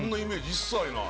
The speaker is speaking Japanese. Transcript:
一切ない。